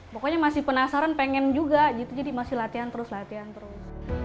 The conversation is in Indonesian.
pokoknya masih penasaran pengen juga gitu jadi masih latihan terus latihan terus